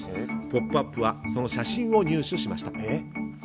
「ポップＵＰ！」はその写真を入手しました。